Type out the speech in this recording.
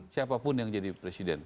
siapapun yang jadi presiden